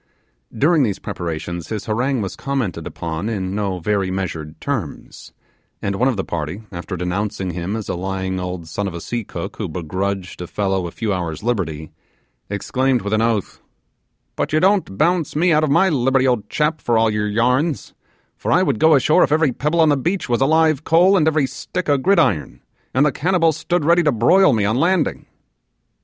During these preparations his harangue was commented upon in no very measured terms; and one of the party, after denouncing him as a lying old son of a seacook who begrudged a fellow a few hours' liberty, exclaimed with an oath, 'But you don't bounce me out of my liberty, old chap, for all your yarns; for I would go ashore if every pebble on the beach was a live coal, and every stick a gridiron, and the cannibals stood ready to broil me on landing.